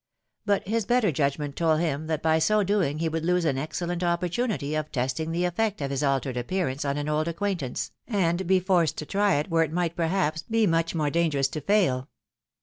But his better judgment told him that by so doing he would lose an excellent opportunity of testing the effect of his altered appearance on an old acquaintance, and be forced to try it where it might perhaps be much more dangerous to fail.